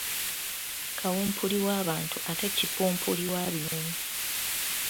Kawumpuli wa bantu ate Kipumpuli wa binyonyi.